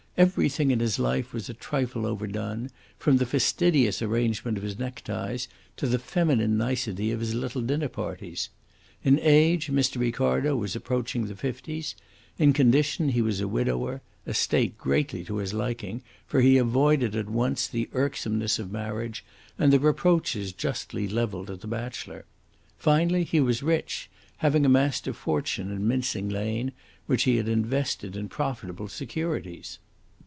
Everything in his life was a trifle overdone, from the fastidious arrangement of his neckties to the feminine nicety of his little dinner parties. In age Mr. Ricardo was approaching the fifties; in condition he was a widower a state greatly to his liking, for he avoided at once the irksomeness of marriage and the reproaches justly levelled at the bachelor; finally, he was rich, having amassed a fortune in Mincing Lane, which he had invested in profitable securities.